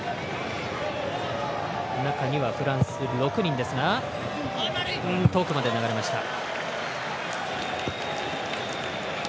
中にはフランス６人ですが遠くまで流れました。